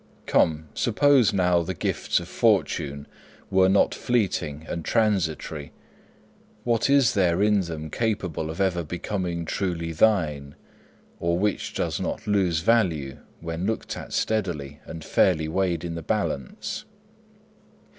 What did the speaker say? Come, suppose, now, the gifts of Fortune were not fleeting and transitory, what is there in them capable of ever becoming truly thine, or which does not lose value when looked at steadily and fairly weighed in the balance?